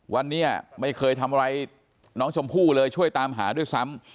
วันนี้ไม่เคยทำอะไรน้องชมพู่เลยช่วยตามหาด้วยซ้ำ